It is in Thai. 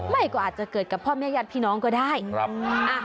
อ๋อไม่ก็อาจจะเกิดกับพ่อเมียยัดพี่น้องก็ได้ครับอ่ะ